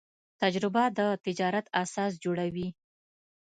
تجربه د تجارت اساس جوړوي.